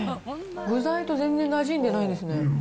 具材と全然なじんでないですね。